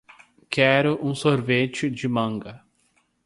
Quero um sorvete de manga